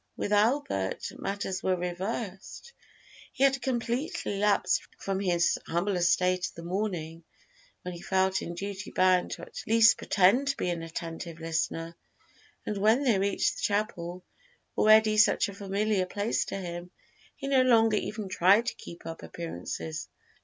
With Albert matters were reversed. He had completely lapsed from his humble estate of the morning, when he felt in duty bound to at least pretend to be an attentive listener, and when they reached the chapel, already such a familiar place to him, he no longer even tried to keep up appearances.